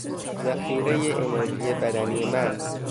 ذخیرهی انرژی بدنی من